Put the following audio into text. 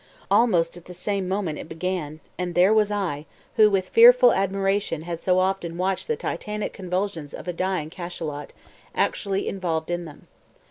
Almost at the same moment it began; and there was I, who, with fearful admiration had so often watched the titanic convulsions of a dying cachalot, actually involved in them.